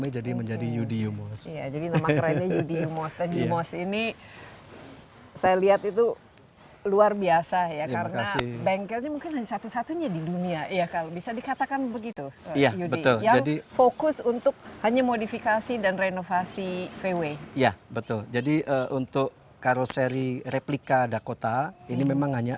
jadi di internet dia sangat terkenal